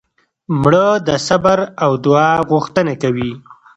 مړه د صبر او دعا غوښتنه کوي